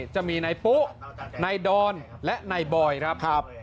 จะมีนายปุ๊นายดอนและนายบอยครับ